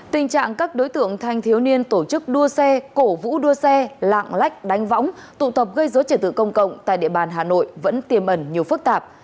tình trạng các đối tượng thanh thiếu niên tổ chức đua xe cổ vũ đua xe lạng lách đánh võng tụ tập gây dối trật tự công cộng tại địa bàn hà nội vẫn tiềm ẩn nhiều phức tạp